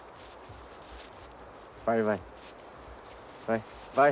バイバイ。